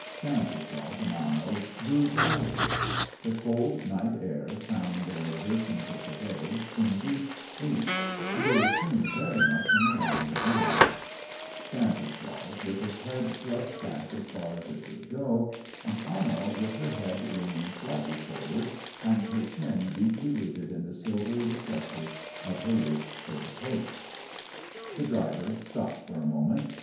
Stanislaus and Anno grew drowsy; the cold night air, crowning their exertions of the day, induced sleep, and they were soon very much in the land of nods: Stanislaus with his head thrust back as far as it would go, and Anno with her head leaning slightly forward and her chin deeply rooted in the silvery recesses of her rich fur coat. The driver stopped for a moment.